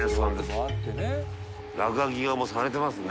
飯尾）がもうされてますね。